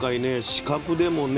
視覚でもね